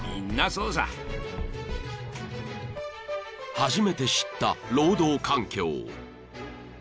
［初めて知った労働環境］